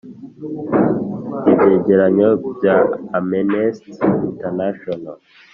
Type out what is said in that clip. ibyegeranyo bya amnesty international